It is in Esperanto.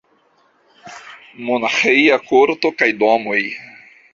Monaĥeja korto kaj domoj.